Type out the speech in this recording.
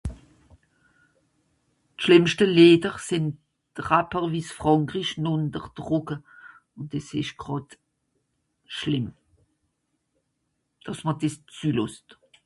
d'schlìmmste leder sìn d'rapper wie s'frànkrisch nùnter drùcke ùn des esch gràd schlìmm dàss mr des zülàsst